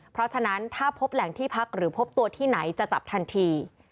เพราะฉะนั้นถ้าพบแหล่งที่พักหรือพบตัวที่ไหนจะจับทันที